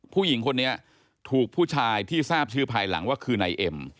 ผู้หญิงคนนี้ถูกผู้ชายที่ทราบชื่อภายหลังว่าคือนายเอ็ม